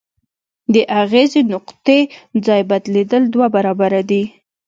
د اغیزې نقطې ځای بدلیدل دوه برابره دی.